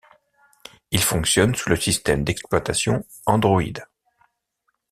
Il fonctionne sous le système d'exploitation Android.